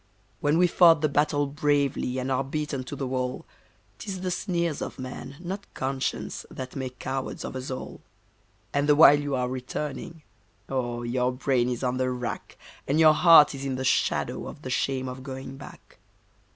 When we've fought the battle bravely and are beaten to the wall, 'Tis the sneers of men, not conscience, that make cowards of us all; And the while you are returning, oh! your brain is on the rack, And your heart is in the shadow of the shame of going back.